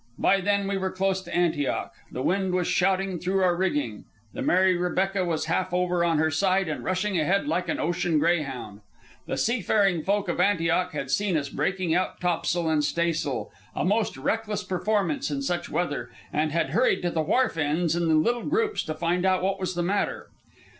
By then we were close to Antioch. The wind was shouting through our rigging, the Mary Rebecca was half over on her side and rushing ahead like an ocean greyhound. The seafaring folk of Antioch had seen us breaking out topsail and staysail, a most reckless performance in such weather, and had hurried to the wharf ends in little groups to find out what was the matter.